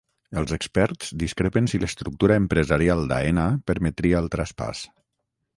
Els experts discrepen si l'estructura empresarial d'Aena permetria el traspàs